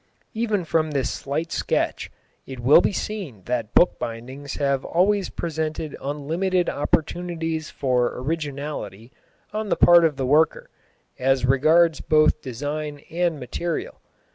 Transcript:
Even from this slight sketch it will be seen that bookbindings have always presented unlimited opportunities for originality on the part of the worker, as regards both design and material.